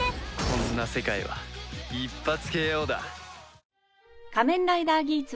こんな世界は一発ＫＯだ。